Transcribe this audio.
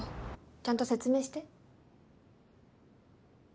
ちゃんと説明して？